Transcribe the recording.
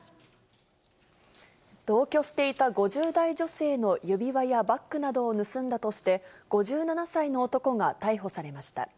同居していた５０代女性の指輪やバッグなどを盗んだとして、５７歳の男が逮捕されました。